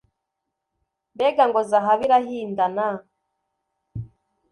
Mbega ngo zahabu irahindana,